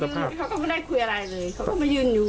คือเขาก็ไม่ได้คุยอะไรเลยเขาก็มายืนอยู่